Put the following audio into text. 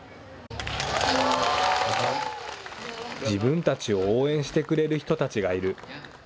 自分たちを応援してくれる人たちがいる。